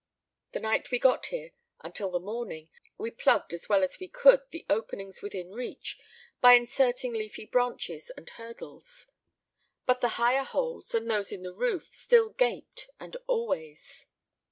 The night we got here until the morning we plugged as well as we could the openings within reach, by inserting leafy branches and hurdles. But the higher holes, and those in the roof, still gaped and always.